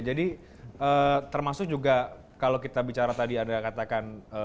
jadi termasuk juga kalau kita bicara tadi ada katakan